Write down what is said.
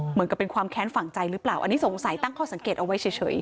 เหมือนกับเป็นความแค้นฝั่งใจหรือเปล่าอันนี้สงสัยตั้งข้อสังเกตเอาไว้เฉย